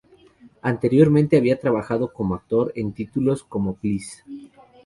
Anteriormente había trabajado como actor en títulos como "Please!